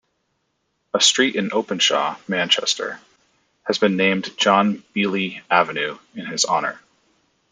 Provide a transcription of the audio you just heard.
A street in Openshaw, Manchester, has been named "John Beeley Avenue" in his honour.